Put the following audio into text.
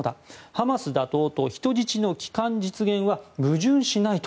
ハマス打倒と人質の帰還実現は矛盾しないと。